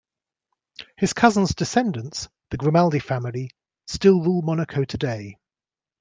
His cousin's descendants, the Grimaldi family, still rule Monaco today.